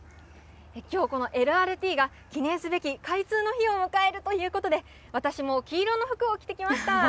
きょう、このＬＲＴが、記念すべき開通の日を迎えるということで、私も黄色の服を着てきました。